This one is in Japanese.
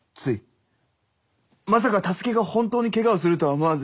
まさか太助が本当にけがをするとは思わず。